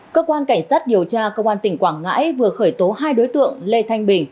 cơ quan cảnh sát điều tra công an tỉnh quảng ngãi vừa khởi tố hai đối tượng lê thanh bình